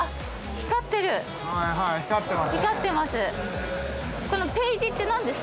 光ってます。